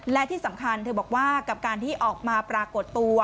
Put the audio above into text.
และที่สำคัญเธอบอกว่ากับการที่ออกมาปรากฏตัว